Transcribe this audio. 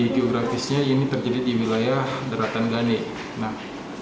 gempa bumi terjadi di wilayah gane barat